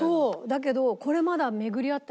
だけど。